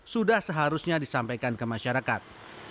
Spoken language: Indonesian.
sudah seharusnya disampaikan ke masyarakat